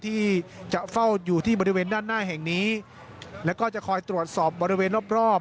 ที่จะเฝ้าอยู่ที่บริเวณด้านหน้าแห่งนี้แล้วก็จะคอยตรวจสอบบริเวณรอบรอบ